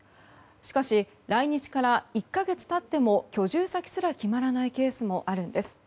しかし、来日から１か月経っても居住先すら決まらないケースもあるんです。